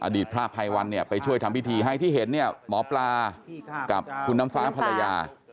อดีตพระภัยวันไปช่วยทำพิธีให้ที่เห็นหมอปลากับคุณน้ำฟ้าภรรยา